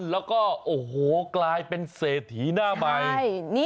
แล้วก็โอ้โหกลายเป็นเศรษฐีหน้าใหม่